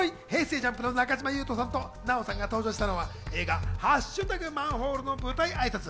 ＪＵＭＰの中島裕翔さんと奈緒さんが登場したのは、映画『＃マンホール』の舞台挨拶。